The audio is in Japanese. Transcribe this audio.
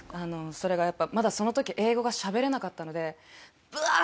それがやっぱまだその時英語がしゃべれなかったのでブワー！